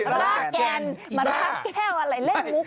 รากแกนมารากแก้วอะไรเล่นมุก